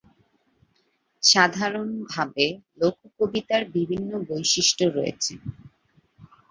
সাধারণভাবে লোক-কবিতার বিভিন্ন বৈশিষ্ট্য রয়েছে।